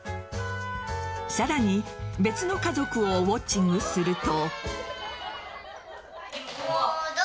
さらに別の家族をウオッチングすると。